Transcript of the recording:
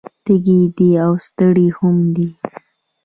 تږی دی او ستړی هم دی